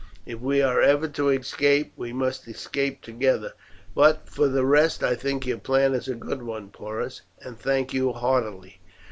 If we are ever to escape, we must escape together; but for the rest, I think your plan is a good one, Porus, and thank you heartily.